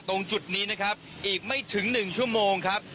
ตรงจุดนี้นะครับอีกไม่ถึง๑ชั่วโมงครับ